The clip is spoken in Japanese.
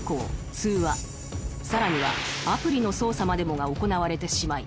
通話更にはアプリの操作までもが行われてしまい